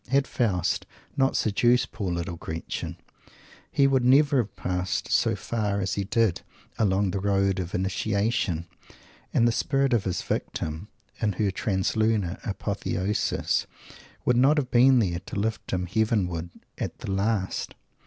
Had Faust not seduced poor little Gretchen, he would never have passed as far as he did along the road of Initiation, and the spirit of his Victim in her translunar Apotheosis would not have been there to lift him Heavenwards at the last.